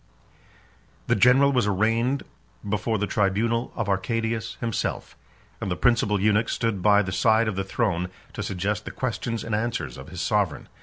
The general was arraigned before the tribunal of Arcadius himself; and the principal eunuch stood by the side of the throne to suggest the questions and answers of his sovereign.